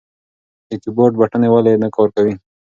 د کیبورډ بټنې ولې نه کار کوي؟